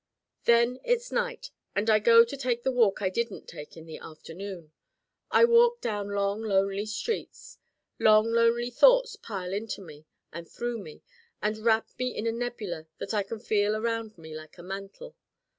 Then it's night and I go to take the walk I didn't take in the afternoon. I walk down long lonely streets. Long lonely thoughts pile into me and through me and wrap me in a nebula that I can feel around me like a mantle.